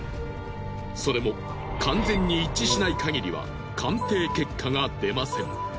それも完全に一致しないかぎりは鑑定結果が出ません。